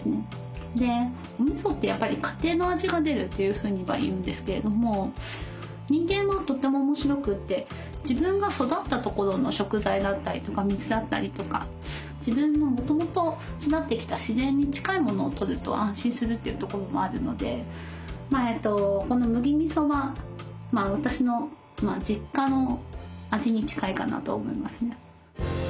おみそってやっぱり家庭の味が出るというふうにはいうんですけれども人間はとても面白くて自分が育ったところの食材だったりとか水だったりとか自分のもともと育ってきた自然に近いものをとると安心するっていうところもあるのでこの麦みそは私の実家の味に近いかなと思いますね。